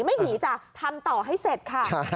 ไม่หนีจ้ะทำต่อให้เสร็จค่ะ